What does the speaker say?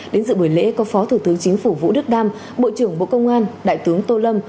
đến dự buổi lễ có phó thủ tướng chính phủ vũ đức đam bộ trưởng bộ công an đại tướng tô lâm